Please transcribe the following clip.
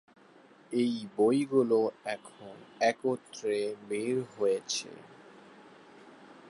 এই বইগুলি এখন একত্রে বের হয়েছে।